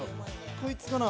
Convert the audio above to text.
こいつかな？